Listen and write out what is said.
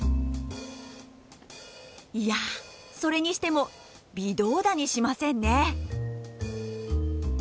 いやそれにしても微動だにしませんね。